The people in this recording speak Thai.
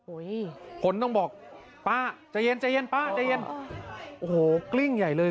คนต้องบอกป้าใจเย็นใจเย็นป้าใจเย็นโอ้โหกลิ้งใหญ่เลย